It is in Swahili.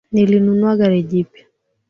Nilinunua gari jipya